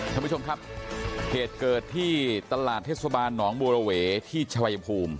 ท่านผู้ชมครับเหตุเกิดที่ตลาดเทศบาลหนองบัวระเวที่ชายภูมิ